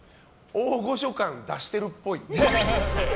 大御所感出してるっぽい。